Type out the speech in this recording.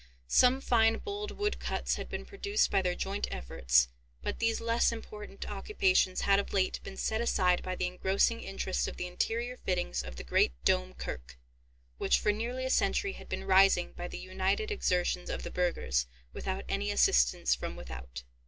Some fine bold wood cuts had been produced by their joint efforts; but these less important occupations had of late been set aside by the engrossing interest of the interior fittings of the great "Dome Kirk," which for nearly a century had been rising by the united exertions of the burghers, without any assistance from without.